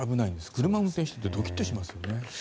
車を運転していてドキッとしますよね。